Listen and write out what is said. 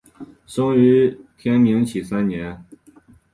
生于明天启三年。